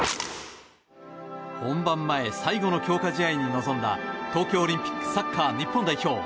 本番前最後の強化試合に臨んだ東京オリンピックサッカー日本代表。